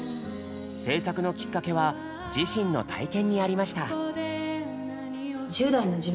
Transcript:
制作のきっかけは自身の体験にありました。